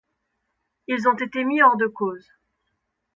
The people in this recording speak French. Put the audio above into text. Ils ont été mis hors de cause.